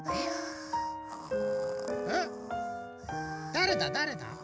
だれだだれだ？